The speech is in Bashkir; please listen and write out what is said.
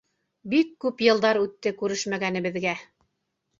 Бик күп йылдар үтте күрешмәгәнебеҙгә.